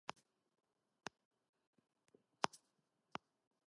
Each issue has several reviews of books on varying topics.